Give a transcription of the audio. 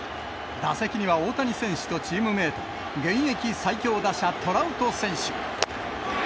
打席には大谷選手とチームメート、現役最強打者、トラウト選手。